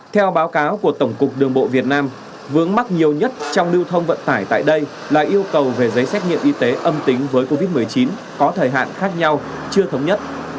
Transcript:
theo báo cáo của tổng cục đường bộ việt nam vướng mắt nhiều nhất trong lưu thông vận tải tại đây là yêu cầu về giấy xét nghiệm y tế âm tính với covid một mươi chín có thời hạn khác nhau chưa thống nhất